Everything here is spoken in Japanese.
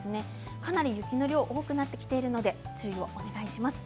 かなり雪の量多くなってきているので注意をお願いします。